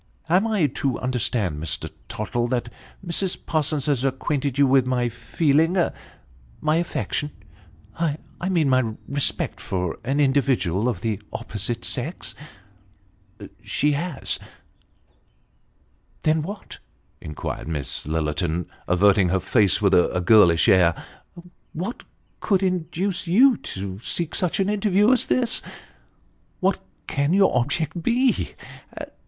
" Am I to understand, Mr. Tottle, that Mrs. Parsons has acquainted you with my feeling my affection I mean my respect, for an individual of the opposite sex ?"" She has." " Then, what ?" inquired Miss Lillerton, averting her face, with a girlish air, " what could induce you to seek such an interview as this ? What can your object be